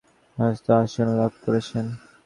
তিনি বাংলা সঙ্গীত জগতে এক স্বতন্ত্র আসন লাভ করেছেন।